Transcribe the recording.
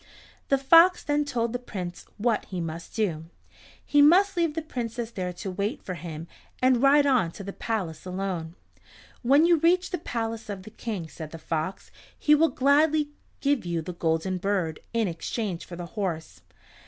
The fox then told the Prince what he must do. He must leave the Princess there to wait for him, and ride on to the palace alone. "When you reach the palace of the King," said the fox, "he will gladly give you the Golden Bird in exchange for the horse.